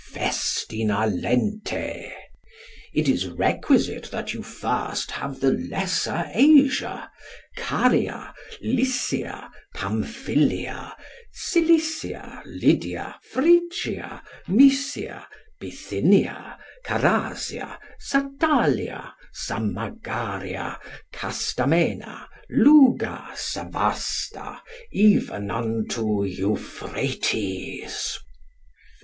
Festina lente. It is requisite that you first have the Lesser Asia, Caria, Lycia, Pamphilia, Cilicia, Lydia, Phrygia, Mysia, Bithynia, Carazia, Satalia, Samagaria, Castamena, Luga, Savasta, even unto Euphrates.